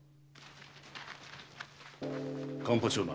勘八をな。